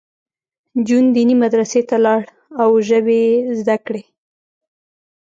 جون دیني مدرسې ته لاړ او ژبې یې زده کړې